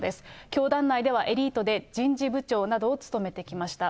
教団内ではエリートで、人事部長などを務めてきました。